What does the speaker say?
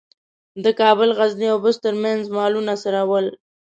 د کابل، غزني او بُست ترمنځ مالونه څرول.